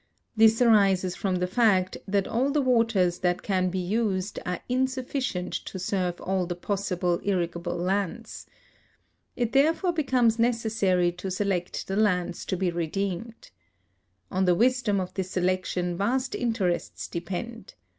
This arises from the fact that all the waters that can be used are insufficient to serve all the possible irrigable lands. It therefore becomes necessary to select the lands to be redeemed. On the wisdom of this selection vast interests depend.